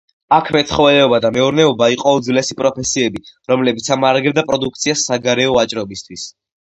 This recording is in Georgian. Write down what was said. აქ მეცხოველეობა და მეურნეობა იყო უძველესი პროფესიები, რომლებიც ამარაგებდა პროდუქციას საგარეო ვაჭრობისთვის.